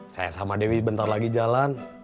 saya sama dewi bentar lagi jalan